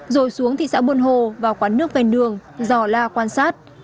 rồi xuống thị xã buôn hồ vào quán nước vèn đường giò la quan sát